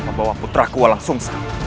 membawa putraku walang sungsang